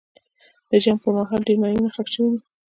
د جنګ پر مهال ډېر ماینونه ښخ شوي دي.